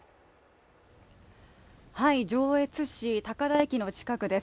上越市高田駅の近くです。